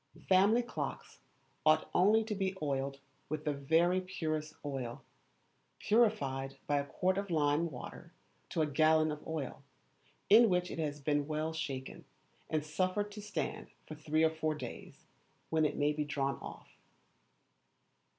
Family clocks ought only to be oiled with the very purest oil, purified by a quart of lime water to a gallon of oil, in which it has been well shaken, and suffered to stand for three or four days, when it may be drawn off.